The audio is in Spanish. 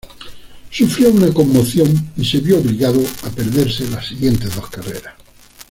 Sufrió una conmoción, y se vio obligado a perderse las siguientes dos carreras.